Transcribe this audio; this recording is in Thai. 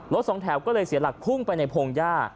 สองแถวก็เลยเสียหลักพุ่งไปในพงหญ้า